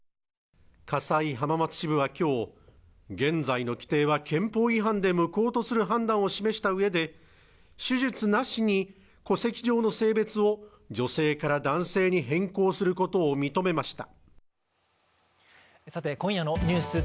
家裁浜松支部はきょう現在の規定は憲法違反で無効とする判断を示したうえで手術なしに戸籍上の性別を女性から男性に変更することを認めました